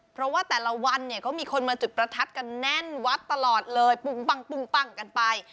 เพราะว่าแต่ละวันเนี่ยก็มีคนมาจุดประทัดกันแน่นวัดตลอดเลยปุ้งปังกันไป